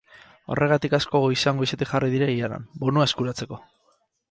Horregatik asko goizean goizetik jarri dira ilaran, bonua eskuratzeko.